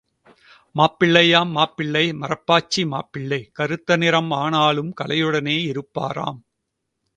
மாப்பிள்ளையாம் மாப்பிள்ளை மரப்பாச்சி மாப்பிள்ளை கறுத்த நிறம் ஆனாலும் களையுடனே இருப்பாராம்.